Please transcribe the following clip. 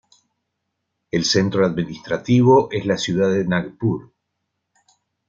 El centro administrativo es la ciudad de Nagpur.